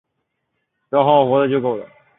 只要好好活着就够了